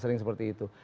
sering seperti itu